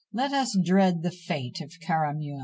Let us dread the fate of Caramuel!